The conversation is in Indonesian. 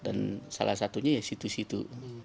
dan salah satunya ya situ situ